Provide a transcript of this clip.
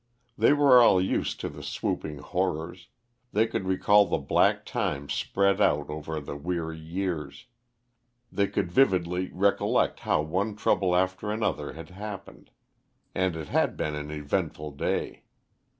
They were all used to the swooping horrors; they could recall the black times spread out over the weary years; they could vividly recollect how one trouble after another had happened. And it had been an eventful day.